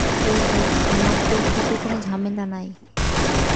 এই দেখ, আমার তোর সাথে কোন ঝামেলা নাই।